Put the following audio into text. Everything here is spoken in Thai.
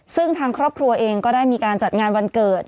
ซึ่งทางครอบครัวเองก็ได้มีการจัดงานวันเกิด